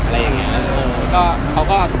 อะไรอย่างนี้